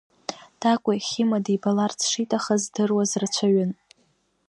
Ҭакәи Хьыма дибаларц шиҭахыз здыруаз рацәаҩын.